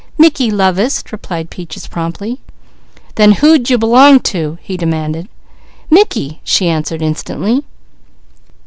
"Mickey lovest," replied Peaches promptly. "Then who d'you belong to?" he demanded. "Mickey!" she answered instantly.